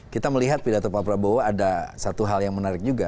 kita melihat pidato pak prabowo ada satu hal yang menarik juga